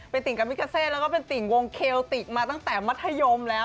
เป็นติ่งกับมิกาเซแล้วก็เป็นติ่งวงเคลติกมาตั้งแต่มัธยมแล้ว